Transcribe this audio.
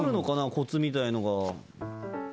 コツみたいなのが。